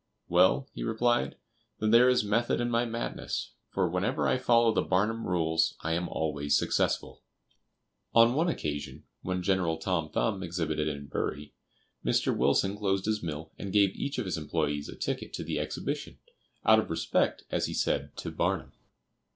"Well," he replied, "then there is method in my madness, for whenever I follow the Barnum rules I am always successful." On one occasion, when General Tom Thumb exhibited in Bury, Mr. Wilson closed his mill, and gave each of his employés a ticket to the exhibition; out of respect, as he said, to Barnum.